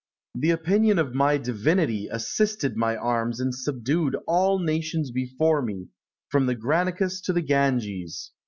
The opinion of my divinity assisted my arms and subdued all nations before me, from the Granicus to the Ganges.